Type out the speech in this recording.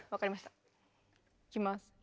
いきます。